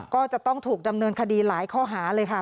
ก็จะต้องถูกดำเนินคดีหลายข้อหาเลยค่ะ